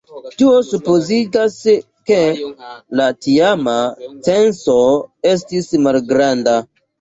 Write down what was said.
Tio supozigas, ke la tiama censo estis malgranda.